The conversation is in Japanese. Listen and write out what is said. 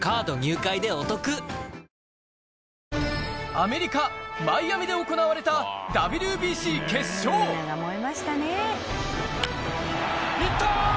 アメリカマイアミで行われたＷＢＣ決勝いった！